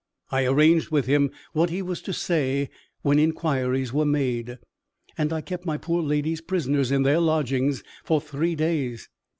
I arranged with him what he was to say when inquiries were made; and I kept my poor ladies prisoners in their lodgings for three days.